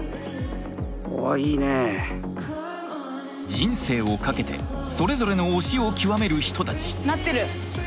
人生を懸けてそれぞれの「推し」を極める人たち。